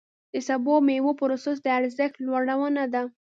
د سبو او مېوو پروسس د ارزښت لوړونه ده.